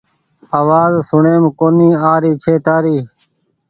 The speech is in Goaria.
آواز سوڻيم ڪونيٚ آ رهي ڇي تآري